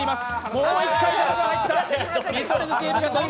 もう１回邪魔が入った。